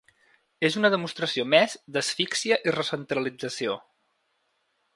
És una demostració més d’asfixia i recentralització